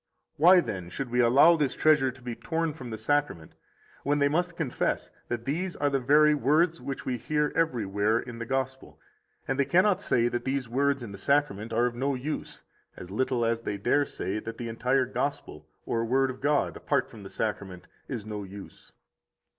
Why, then, should we allow this treasure to be torn from the Sacrament when they must confess that these are the very words which we hear every where in the Gospel, and they cannot say that these words in the Sacrament are of no use, as little as they dare say that the entire Gospel or Word of God, apart from the Sacrament, is of no use?